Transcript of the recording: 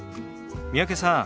三宅さん